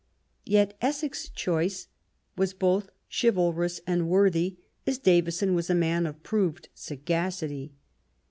Yet Essex's choice was both chivalrous and worthy, as Davison was a man of proved sagacity.